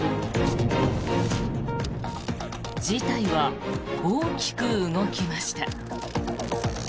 事態は大きく動きました。